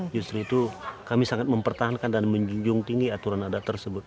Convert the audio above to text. justru itu kami sangat mempertahankan dan menjunjung tinggi aturan adat tersebut